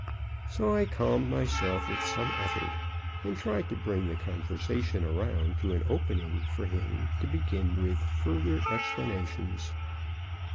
So I calmed myself with some effort, and tried to bring the conversation around to an opening for him to begin with further explanations.